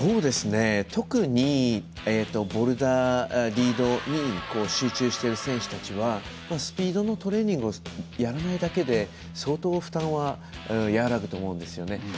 特にボルダー、リードに集中している選手たちはスピードのトレーニングをやらないだけで相当、負担は和らぐと思うんですよね。